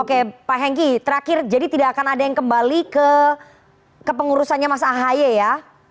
oke pak hengki terakhir jadi tidak akan ada yang kembali ke kepengurusannya mas ahaye ya